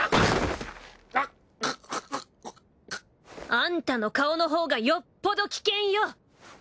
アンタの顔のほうがよっぽど危険よ。